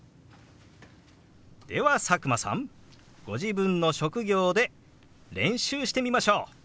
では佐久間さんご自分の職業で練習してみましょう！